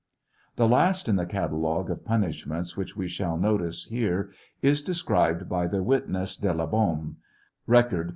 The last in the catalogue of punishments which we shall notice here is described by the witness De La Baume, (Record, p.